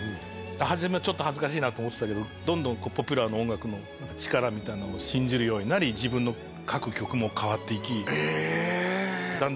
初めちょっと恥ずかしいなと思ってたけどどんどんポピュラーの音楽の力みたいなの信じるようになり自分の書く曲も変わっていきえっ